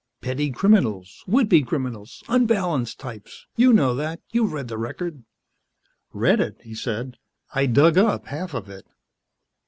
Petty criminals, would be criminals, unbalanced types. You know that. You've read the record." "Read it?" he said. "I dug up half of it."